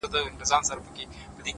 پوهه د راتلونکي جوړولو وسیله ده؛